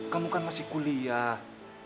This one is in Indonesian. kamu kan masih kuliah